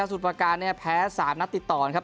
แล้วสูตรประการเนี่ยแพ้สามนัดติดต่อนครับ